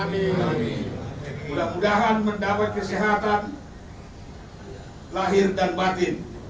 mudah mudahan mendamai kesehatan lahir dan batin